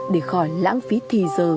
để khỏi lãng phí thị giờ